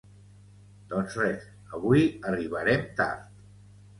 Doncs res, avui arribarem tard